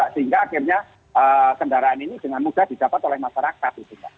sehingga akhirnya kendaraan ini dengan mudah didapat oleh masyarakat